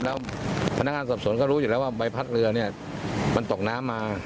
แล้วพนักงานสอบสวนก็รู้อยู่แล้วว่าใบพัดเรือเนี่ยมันตกน้ำมา